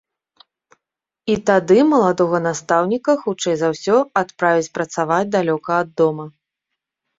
І тады маладога настаўніка, хутчэй за ўсё, адправяць працаваць далёка ад дома.